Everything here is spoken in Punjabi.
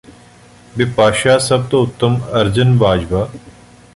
ਬਿਪਾਸ਼ਾ ਸਭ ਤੋਂ ਉੱਤਮ ਅਰਜਨ ਬਾਜਵਾ